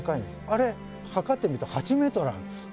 あれ測ってみると８メートルあるんです。